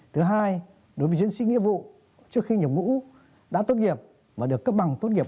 thứ hai đối với chiến sĩ nghĩa vụ trước khi nhập ngũ đã tốt nghiệp mà được cấp bằng tốt nghiệp